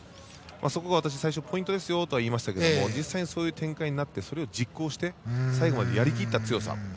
そこが私、ポイントですよといいましたが実際にそういう展開になってそれを実行して最後までやり切った強さ。